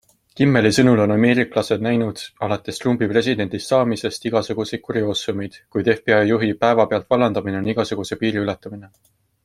Kimmeli sõnul on ameeriklased näinud alates Trumpi presidendiks saamisest igasuguseid kurioosumeid, kuid FBI juhi päeavpealt vallandamine on igasuguse piiri ületamine.